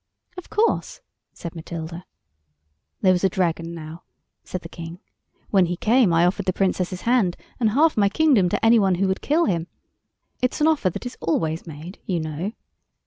"Of course," said Matilda. "There was a Dragon, now," said the King. "When he came I offered the Princess's hand and half my kingdom to any one who would kill him. It's an offer that is always made, you know."